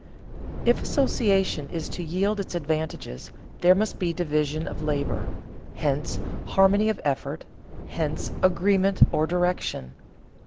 If association is to yield its advantages, there must be division of labor; hence harmony of effort, hence agreement or direction.